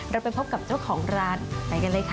เราไปพบกับเจ้าของร้านไปกันเลยค่ะ